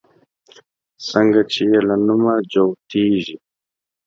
څنگه چې يې له نومه جوتېږي